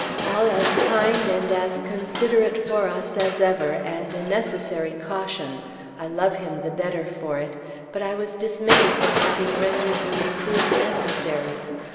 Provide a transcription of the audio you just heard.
All as kind and as considerate for us as ever, and a necessary caution; I love him the better for it; but I was dismayed for having rendered the reproof necessary.